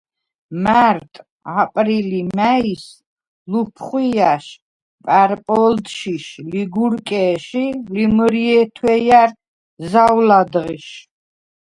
მა̈რტ, აპრილ ი მა̈ის – ლუფხუ̂ჲა̈შ, პა̈რპო̄ლდშიშ, ლიგურკე̄შ ი ლიმჷრჲე̄ თუ̂ეჲა̈რ – ზაუ̂ლა̈დღიშ,